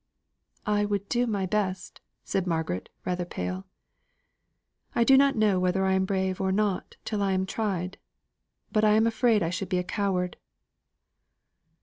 "I would do my best," said Margaret rather pale. "I do not know whether I am brave or not till I am tried; but I am afraid I should be a coward."